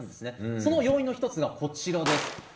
その要因の一つがこちらです。